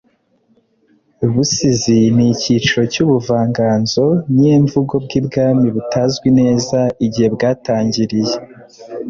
busizi ni icyiciro cy'Ubuvanganzo nyemvugo bw'ibwami butazwi neza igihe bwatangiriye,